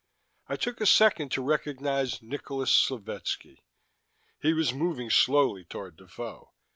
I took a second look to recognize Nikolas Slovetski. He was moving slowly toward Defoe.